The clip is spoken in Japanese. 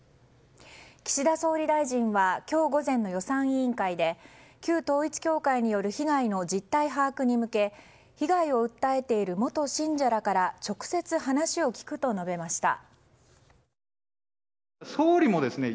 岸田総理大臣は今日午前の予算委員会で旧統一教会による被害の実態把握に向け被害を訴えている元信者らから直接話を聞くと述べました。